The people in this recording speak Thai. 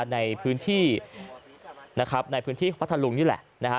ในพื้นที่นะครับในพื้นที่พัทธลุงนี่แหละนะฮะ